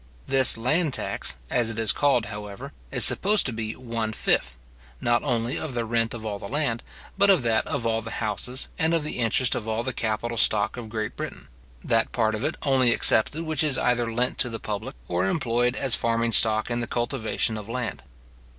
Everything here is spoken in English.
This land tax, as it is called however, is supposed to be one fifth, not only of the rent of all the land, but of that of all the houses, and of the interest of all the capital stock of Great Britain, that part of it only excepted which is either lent to the public, or employed as farming stock in the cultivation of land.